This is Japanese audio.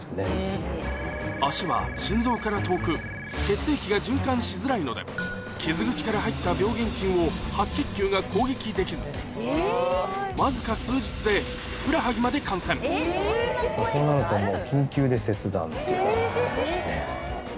足は心臓から遠く血液が循環しづらいので傷口から入ったわずか数日でふくらはぎまで感染そうなるともう。